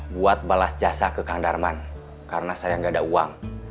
buat balas jasa ke kang darman karena saya nggak ada uang